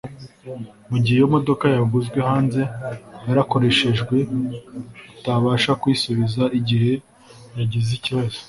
mu gihe iyo imodoka yaguzwe hanze yarakoreshejwe utabasha kuyisubiza igihe yagize ikibazo